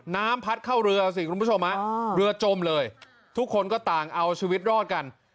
น้ำพัดเข้าเรือสิคุณผู้ชมฮะเรือจมเลยทุกคนก็ต่างเอาชีวิตรอดกัน